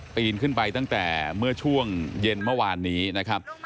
ปีนขึ้นไปตั้งแต่เมื่อช่วงเย็นเมื่อวานนี้นะครับ